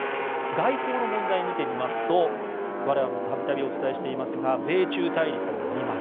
外交の問題を見てみますと我々も度々お伝えしていますが米中対立があります。